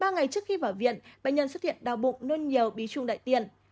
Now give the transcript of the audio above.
ba ngày trước khi vào viện bệnh nhân xuất hiện đau bụng nôn nhiều bí trung đại tiện